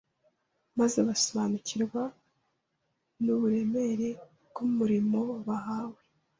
maze basobanukirwa n’uburemere bw’umurimo bahawe